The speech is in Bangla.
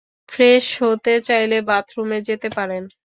ফ্রেশ হতে চাইলে বাথরুমে যেতে পারেন।